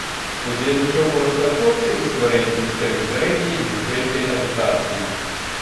Удзельнічаў у распрацоўцы і стварэнні сістэмы сярэдняй і вышэйшай адукацыі.